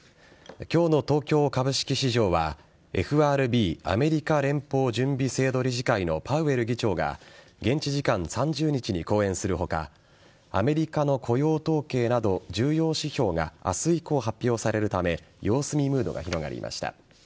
今日の東京株式市場はＦＲＢ＝アメリカ連邦準備制度理事会のパウエル議長が現地時間３０日に講演する他アメリカの雇用統計など重要指標が明日以降発表されるため様子見ムードが広がりました。